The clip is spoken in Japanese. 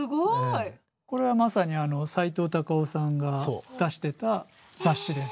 これはまさにさいとう・たかをさんが出してた雑誌です。